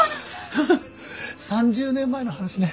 ３０年前の話ね。